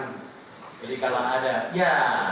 jadi kalau ada ya